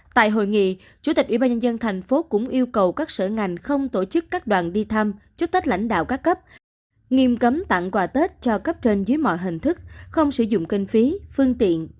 tại hội nghị chủ tịch ủy ban nhân dân thành phố cũng yêu cầu các sở ngành không tổ chức các đoàn đi thăm chúc tết lãnh đạo các cấp nghiêm cấm tặng quà tết cho cấp trên dưới mọi hình thức không sử dụng kinh phí phương tiện